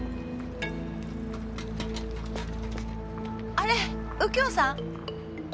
あれ右京さん？